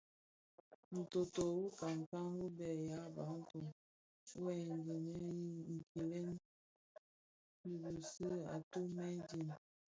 Ntôôtô wu nkankan wu bë ya Bantu (Bafia) wuè dhëňdhëni kigwèl bi bisi a ditumen di.